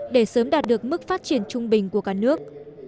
để sớm đạt được mức phát triển trung bình của cả nước